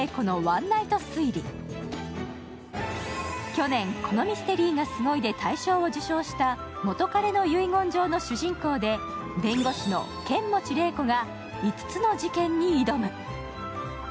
去年、「このミステリーがすごい！」で大賞を受賞した「元彼の遺言状」の主人公で弁護士の剣持麗子が５つの事件に挑む。